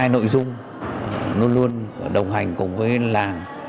hai nội dung luôn luôn đồng hành cùng với làng